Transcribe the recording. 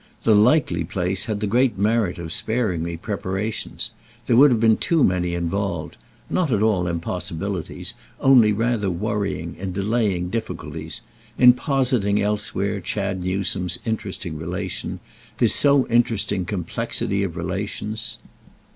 The likely place had the great merit of sparing me preparations; there would have been too many involved—not at all impossibilities, only rather worrying and delaying difficulties—in positing elsewhere Chad Newsome's interesting relation, his so interesting complexity of relations.